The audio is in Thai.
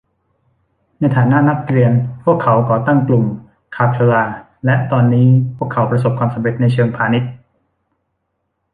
ในฐานะนักเรียนพวกเขาก่อตั้งกลุ่มคาเพลลาและตอนนี้พวกเขาประสบความสำเร็จในเชิงพาณิชย์